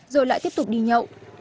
rồi lại tiếp tục đi nhậu